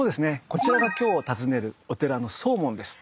こちらが今日訪ねるお寺の総門です。